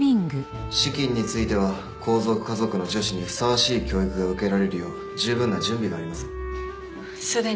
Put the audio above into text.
資金については皇族華族の女子にふさわしい教育が受けられるよう十分な準備があります。